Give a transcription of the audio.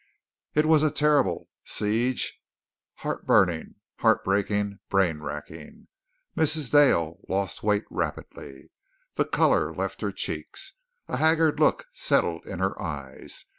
It was a terrible, siege, heart burning, heart breaking, brain racking; Mrs. Dale lost weight rapidly. The color left her cheeks, a haggard look settled in her eyes.